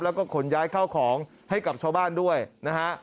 แล้วก็ขนย้ายข้าวของให้กับชาวบ้านด้วยนะฮะ